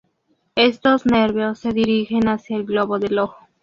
Estos nervios, se dirigen hacia el globo del ojo.